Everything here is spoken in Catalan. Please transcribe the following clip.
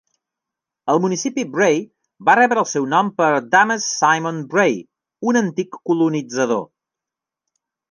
El municipi Bray va rebre el seu nom per Damase Simon Bray, un antic colonitzador.